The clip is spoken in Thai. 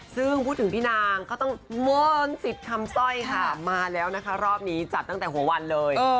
ซึ่งพูดถึงพี่นางก็ต้องมนสิทธิ์คำสร้อยค่ะมาแล้วนะคะรอบนี้จัดตั้งแต่หัววันเลย